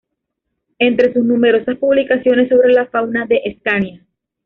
Entre sus numerosas publicaciones sobre la fauna de Escania.